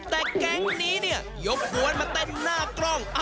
แต่แก๊งนี้เนี่ยยกกวนมาเต้นหน้ากล้อง